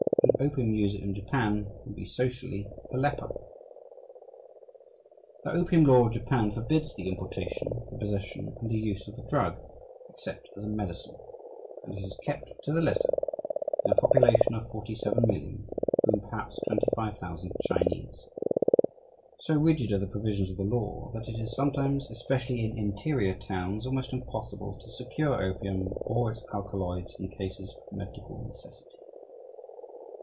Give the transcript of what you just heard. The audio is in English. An opium user in Japan would be socially a leper. "The opium law of Japan forbids the importation, the possession, and the use of the drug, except as a medicine; and it is kept to the letter in a population of 47,000,000, of whom perhaps 25,000 are Chinese. So rigid are the provisions of the law that it is sometimes, especially in interior towns, almost impossible to secure opium or its alkaloids in cases of medical necessity....